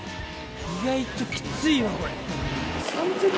意外ときついわこれ。